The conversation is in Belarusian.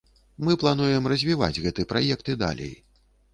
Мы плануем развіваць гэты праект і далей.